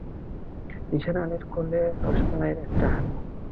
নিসার আলির কোলে রসমালাইয়ের একটা হাঁড়ি।